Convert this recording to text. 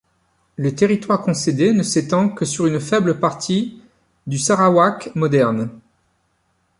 Le territoire concédé ne s'étend que sur une faible partie du Sarawak moderne.